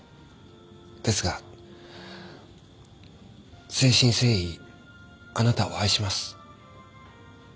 ですが誠心誠意あなたを愛します。